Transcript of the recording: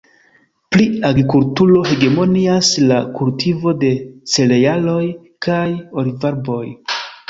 Pri agrikulturo hegemonias la kultivo de cerealoj kaj olivarboj.